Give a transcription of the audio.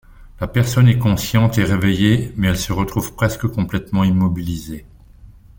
La personne est consciente et réveillée mais elle se retrouve presque complètement immobilisée.